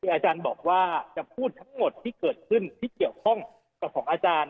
อาจารย์บอกว่าจะพูดทั้งหมดที่เกิดขึ้นที่เกี่ยวข้องกับของอาจารย์